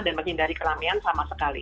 dan makin dari kelaminan sama sekali